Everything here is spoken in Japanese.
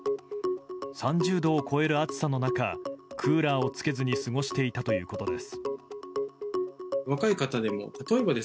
３０度を超える暑さの中クーラーをつけずに過ごしていたということです。